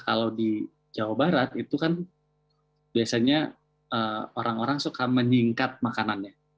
kalau di jawa barat itu kan biasanya orang orang suka menyingkat makanannya